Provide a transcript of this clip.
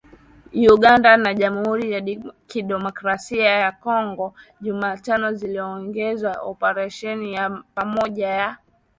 Uganda na Jamhuri ya Kidemokrasi ya Kongo Jumatano ziliongeza operesheni ya pamoja ya kijeshi iliyoanzishwa mwishoni mwa mwaka jana.